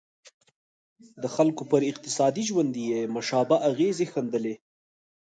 د خلکو پر اقتصادي ژوند یې مشابه اغېزې ښندلې.